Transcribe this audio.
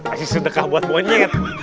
asis sedekah buat monyet